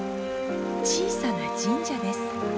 小さな神社です。